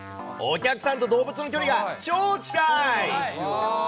お客さんと動物の距離が超近い。